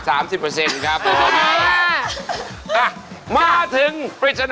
วันที่เธอพบมันในหัวใจฉัน